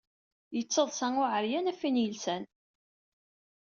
Yettaḍsa uɛeryan ɣef win yelsan.